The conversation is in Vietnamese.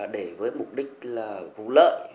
để với mục đích vụ lợi